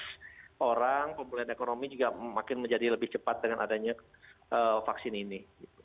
terus orang pemulihan ekonomi juga makin menjadi lebih cepat dengan adanya vaksin ini